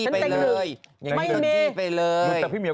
เป็นเขื่อเครียด